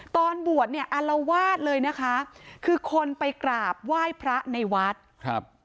ตอนบวชเนี่ยอารวาสเลยนะคะคือคนไปกราบไหว้พระในวัดครับ